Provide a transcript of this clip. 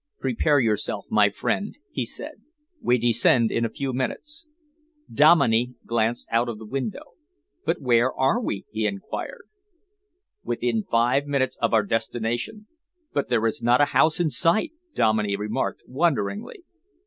"Prepare yourself, my friend," he said. "We descend in a few minutes." Dominey glanced out of the window. "But where are we?" he enquired. "Within five minutes of our destination." "But there is not a house in sight," Dominey remarked wonderingly.